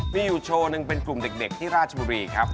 มีอยู่โชว์หนึ่งเป็นกลุ่มเด็กที่ราชบุรีครับ